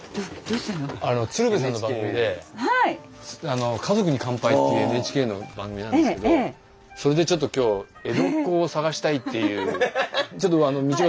鶴瓶さんの番組で「家族に乾杯」っていうＮＨＫの番組なんですけどそれでちょっと今日江戸っ子を探したいっていう。